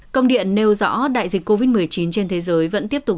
công điện nêu rõ đại dịch covid một mươi chín trên thế giới vẫn tiếp tục